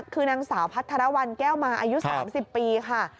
คือนางสาวพัทรวรรณแก้วมาอายุ๓๐ปีค่ะ